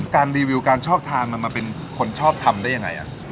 รีวิวการชอบทานมันมาเป็นคนชอบทำได้ยังไง